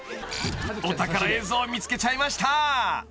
［お宝映像見つけちゃいました］